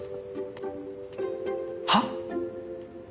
はっ？